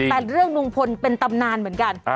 แต่เรื่องลุงพลเป็นตำนานเหมือนกัน